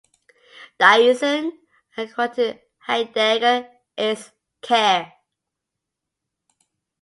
"Dasein", according to Heidegger, "is" care.